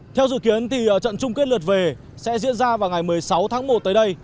theo dự kiến trận chung kết lượt về sẽ diễn ra vào ngày một mươi sáu tháng một tới đây